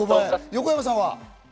横山さんは？